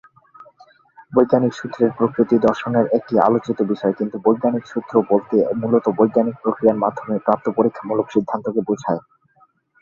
বৈজ্ঞানিক সূত্রের প্রকৃতি দর্শনের একটি আলোচিত বিষয়, কিন্তু বৈজ্ঞানিক সূত্র বলতে মূলত বৈজ্ঞানিক প্রক্রিয়ার মাধ্যমে প্রাপ্ত পরীক্ষামূলক সিদ্ধান্তকে বুঝায়।